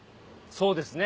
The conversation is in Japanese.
そうですね